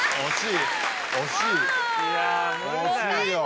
惜しいよ。